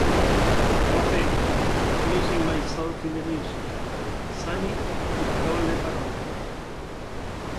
Tropez", "Losing myself in the music", "Sunny", y "Parole, parole".